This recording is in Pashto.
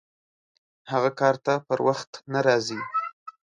هغه کار ته پر وخت نه راځي!